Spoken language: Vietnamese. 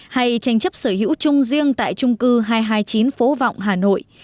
hay tranh chấp sở hữu chung riêng tại trung cư hai trăm hai mươi chín phố vọng hà nội